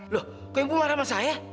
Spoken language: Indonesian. loh kok ibu marah sama saya